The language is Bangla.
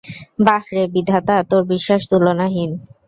বাহ রে বিধাতা, তোর বিশ্বাস তুলনাহীন।